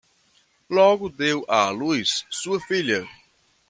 Logo deu à luz sua filha